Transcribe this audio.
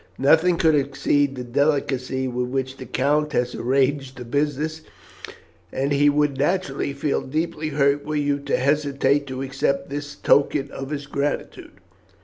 Nothing could exceed the delicacy with which the count has arranged the business, and he would naturally feel deeply hurt were you to hesitate to accept this token of his gratitude.